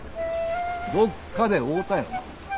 どっかで会うたよな？